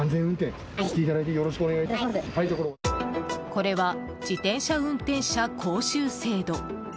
これは自転車運転者講習制度。